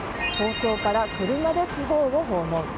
東京から車で地方を訪問。